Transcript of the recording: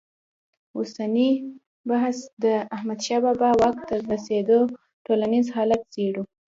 اوسني بحث کې د احمدشاه بابا واک ته تر رسېدو ټولنیز حالت څېړو.